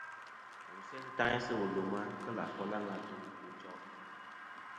Wù sè sɨ taŋi sɨ̂ wùl ɨ lwema kelɨ̀ àfol a ŋweyn atu wu choʼ.